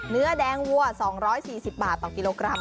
เนื้อแดงวัว๒๔๐บาทต่อกิโลกรัม